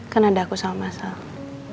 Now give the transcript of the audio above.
kan ada aku sama sama